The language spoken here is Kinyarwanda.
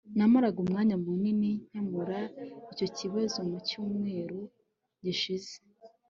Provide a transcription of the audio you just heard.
namaraga umwanya munini nkemura icyo kibazo mucyumweru gishize